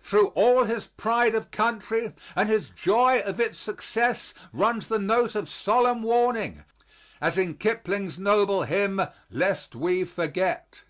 Through all his pride of country and his joy of its success runs the note of solemn warning, as in Kipling's noble hymn, "Lest We Forget."